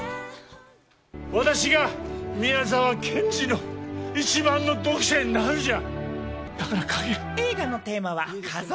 私が宮沢賢治の一番の読者になるんじゃ。